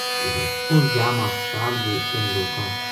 اُس جا ما ہسپتا ل بے اِنھ لوکاں